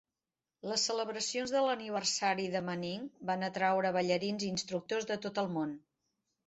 Les celebracions de l"aniversari de Manning van atraure a ballarins i instructors de tot el món.